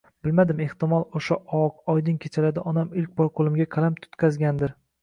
Bilmadim, ehtimol o‘sha oq, oydin kechalarda onam ilk bor qo‘limga qalam tutqazgandir.